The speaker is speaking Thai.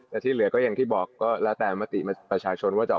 แต่ที่เหลือก็อย่างที่บอกก็